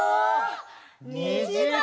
にじだ！